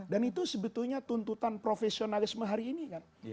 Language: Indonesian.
dan itu sebetulnya tuntutan profesionalisme hari ini kan